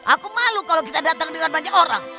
aku malu kalau kita datang dengan banyak orang